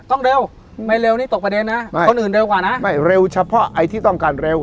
ต้องเร็วไม่เร็วนี่ตกประเด็นนะคนอื่นเร็วกว่านะไม่เร็วเฉพาะไอ้ที่ต้องการเร็ว